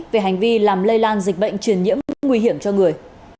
về hành vi làm lây lan dịch bệnh truyền nhiễm nguy hiểm cho người